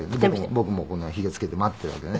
僕もこんなヒゲつけて待っているわけね。